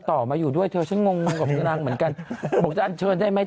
ต่อมาอยู่ด้วยเธอฉันงงกับนางเหมือนกันบอกจะอันเชิญได้ไหม